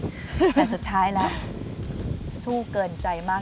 แต่สุดท้ายแล้วสู้เกินใจมาก